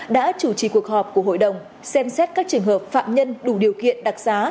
đã chủ trì cuộc họp của hội đồng xem xét các trường hợp phạm nhân đủ điều kiện đặc giá